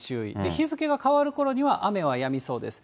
日付が変わるころには雨はやみそうです。